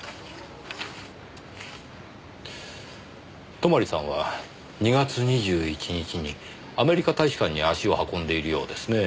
泊さんは２月２１日にアメリカ大使館に足を運んでいるようですねぇ。